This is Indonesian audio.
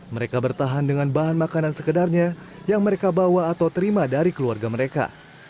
mereka bertahan dengan bahan makanan sekedarnya yang mereka bawa atau terima dari keluarga mereka